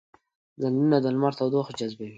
ځنګلونه د لمر تودوخه جذبوي